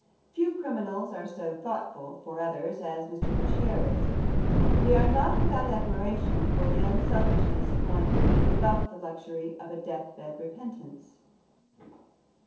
Few criminals are so thoughtful for others as Mr. Bourchier is, and we are not without admiration for the unselfishness of one who can give up the luxury of a death bed repentance.